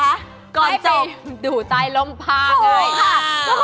วันตอนก่อนจบไปดูใต้ลมพาคเลยค่ะ